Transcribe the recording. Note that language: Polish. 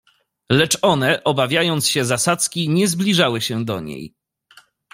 "Lecz one, obawiając się zasadzki, nie zbliżały się do niej."